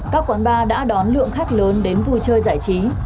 các quán bar đã đón lượng khách lớn đến vui chơi giải trí